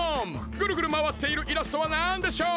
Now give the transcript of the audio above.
ぐるぐるまわっているイラストはなんでしょう？